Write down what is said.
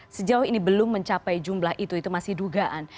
sejauh ini belum mencapai jumlah itu itu masih dugaan